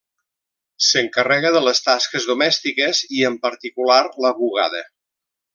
S'encarrega de les tasques domèstiques i en particular la bugada.